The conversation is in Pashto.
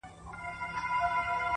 هره ورځ د بدلون فرصت دی.